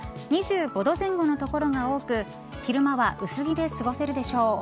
２５度前後の所が多く昼間は薄着で過ごせるでしょう。